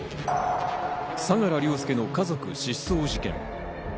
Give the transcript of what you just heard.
相良凌介の家族失踪事件。